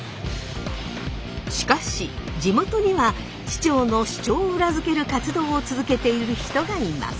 しかし地元には市長の主張を裏付ける活動を続けている人がいます。